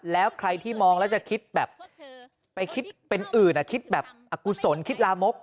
แล้วใครที่มองแล้วจะคิดแบบไปคิดเป็นอื่นคิดแบบอกุศลคิดลามก